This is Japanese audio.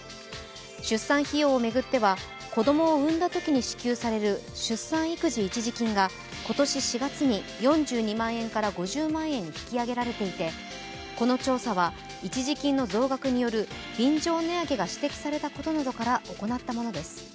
出産費用を巡っては子供を産んだときに支給される出産育児一時金が今年４月に４２万円から５０万円に引き上げられていてこの調査は一時金の増額による便乗値上げが指摘されたことなどから行ったものです。